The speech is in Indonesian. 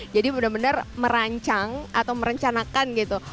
jadi benar benar merancang atau merencanakan gitu